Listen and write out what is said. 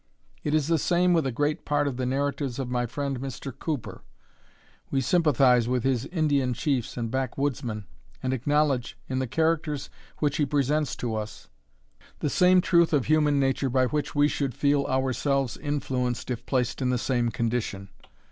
It is the same with a great part of the narratives of my friend Mr. Cooper. We sympathize with his Indian chiefs and back woodsmen, and acknowledge, in the characters which he presents to us, the same truth of human nature by which we should feel ourselves influenced if placed in the same condition.